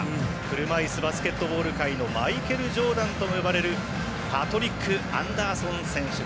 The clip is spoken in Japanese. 車いすバスケットボール界のマイケル・ジョーダンとも呼ばれるパトリック・アンダーソン選手。